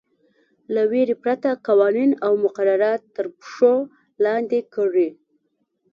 له وېرې پرته قوانین او مقررات تر پښو لاندې کړي.